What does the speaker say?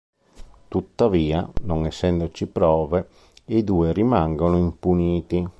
Tuttavia, non essendoci prove, i due rimangono impuniti.